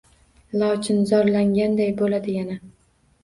Lochin zorlanganday bo‘ladi yana.